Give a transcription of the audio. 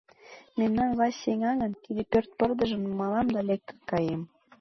Мемнан власть сеҥа гын, тиде пӧрт пырдыжым нумалам да лектын каем.